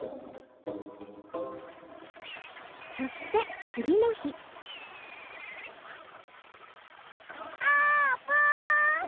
そしてつぎのひあーぷん！